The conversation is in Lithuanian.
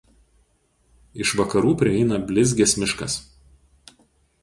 Iš vakarų prieina Blizgės miškas.